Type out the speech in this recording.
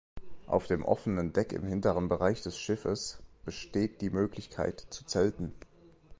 Auf dem offenen Deck im hinteren Bereich des Schiffes besteht die Möglichkeit zu zelten.